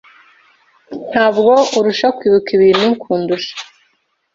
Ntabwo urusha kwibuka ibintu kundusha.